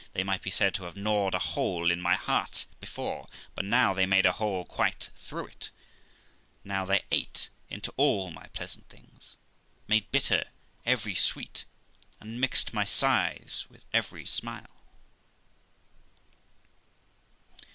They might be said to have gnawed a hole in my heart be fore; but now they made a hole quite through it: now they ate into all my pleasant things, made bitter every sweet, and mixed my sighs with every smile.